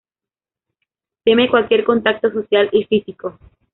Teme cualquier contacto social y físico.